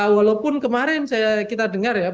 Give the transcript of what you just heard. walaupun kemarin kita dengar ya